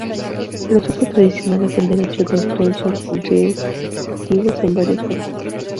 Los usos tradicionales del derecho de autor son restrictivos en varias formas.